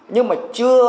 nhưng mà chưa